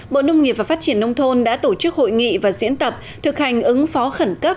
bộ nông nghiệp và phát triển nông thôn đã tổ chức hội nghị và diễn tập thực hành ứng phó khẩn cấp